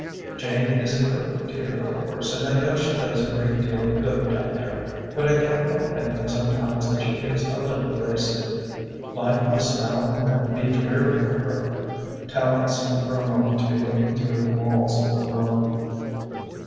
"Jane is a perfect dear, of course, and I know she does a great deal of good down there, but I can't help thinking sometimes that she is a little wasted. Life must now and then be dreary for her." Tallente seemed for a moment to be looking through the walls of the room.